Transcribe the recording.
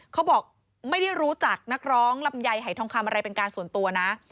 เขาบอกไม่ได้รู้จักนักร้องลำไยหายทองคำอะไรเป็นการส่วนตัวนะ